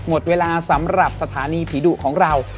หมดเวลาสำหรับสถานีผีดุของเรา